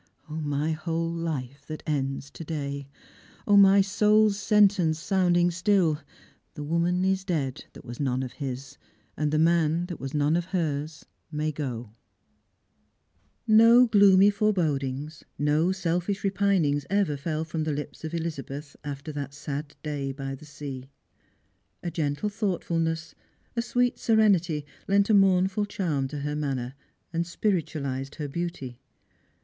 0, my whole life that ends to day ! 0, my soul's sentence, sounding still ;' The woman is dead, that was none of his ; And the man, that was none of hers, may go !'" No gloomy forebodings, no selfish repiniugs ever fell from the lips of Elizabeth after that sad day by the sea. A gentle thoughtfulness, a sweet serenity, lent a mournful charm to her manner, and spiritualised her beauty.